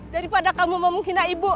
daripada kamu mau menghina ibu